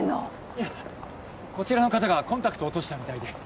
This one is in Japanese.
いやこちらの方がコンタクト落としたみたいで。